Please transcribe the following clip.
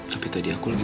tapi tadi aku lagi